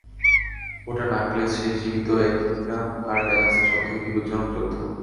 ওটা নাকলস, শেষ জীবিত একিডনা আর গ্যালাক্সির সবথেকে বিপজ্জনক যোদ্ধা।